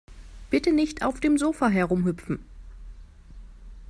Bitte nicht auf dem Sofa herumhüpfen.